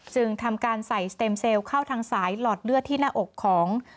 จึงทำการใส่สเต็มเซลล์เข้าทางสายหลอดเลือดที่หน้าอกของ